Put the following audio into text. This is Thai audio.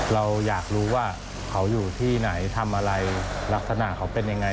เราอยากรู้ว่าเขาอยู่ที่ไหนทำอะไรลักษณะเขาเป็นยังไง